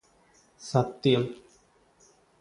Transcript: സത്യം